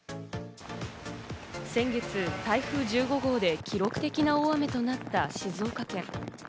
先月台風１５号で記録的な大雨となった静岡県。